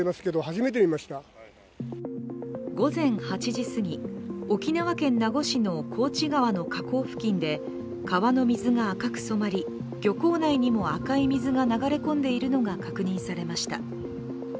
午前８時すぎ、沖縄県名護市の幸地川の河口付近で川の水が赤く染まり漁港内にも赤い水が流れ込んでいるのが確認されました。